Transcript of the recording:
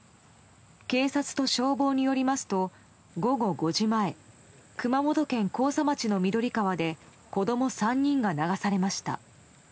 警察と消防によりますと午後５時前熊本県甲佐町の緑川で子供３人が流されました。